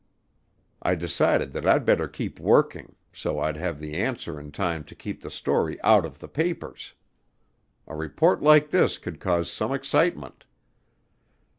I decided that I'd better keep working so I'd have the answer in time to keep the story out of the papers. A report like this could cause some excitement.